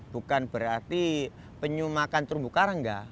bukan berarti penyu makan terumbu karang enggak